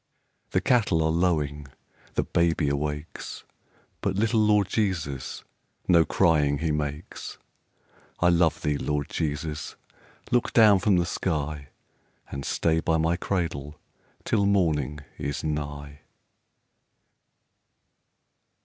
The cattle are lowing, the baby awakes, But little Lord Jesus, no crying he makes. I love thee, Lord Jesus! Look down from the sky, And stay by my cradle till morning is nigh.